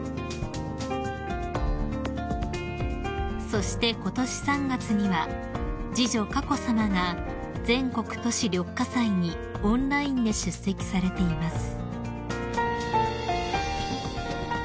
［そしてことし３月には次女佳子さまが全国都市緑化祭にオンラインで出席されています］